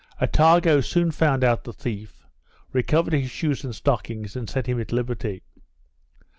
Attago soon found out the thief, recovered his shoes and stockings, and set him at liberty.